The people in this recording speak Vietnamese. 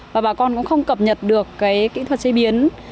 và bà con cũng không cập nhật được cái kỹ thuật chế biến